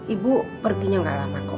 ibu perginya nggak lama kok